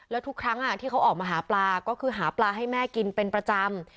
แล้วทุกครั้งที่เขาออกมาหาปลาก็คือหาปลาให้แม่กินเป็นประจำ